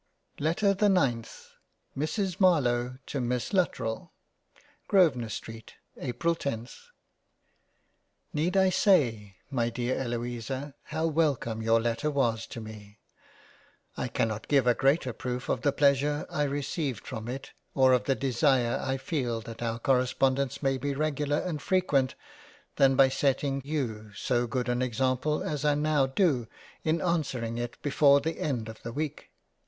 LETTER the NINTH Mrs MARLOWE to Miss LUTTERELL Grosvenor Street, April ioth NEED I say my dear Eloisa how wellcome your letter was to me ? I cannot give a greater proof of the pleasure I received from it, or of the Desire I feel that our Correspondence may be regular and frequent than by setting you so good an example as I now do in answering it before the end of the week —